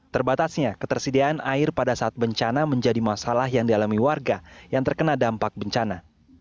terbatasnya ketersediaan air pada saat bencana menjadi masalah yang dialami warga yang terkena dampak bencana